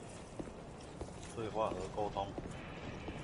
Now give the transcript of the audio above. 對話和溝通